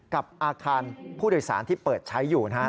กับอาคารผู้โดยสารที่เปิดใช้อยู่นะครับ